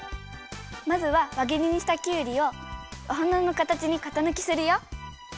まずはわぎりにしたきゅうりをおはなのかたちにかたぬきするよ！